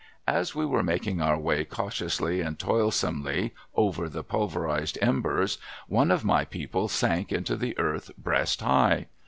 As we were making our way, cautiously and toilsomely, over the pulverised embers, one of my people sank into the earth breast high.